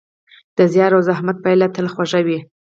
د زیار او زحمت پایله تل خوږه وي.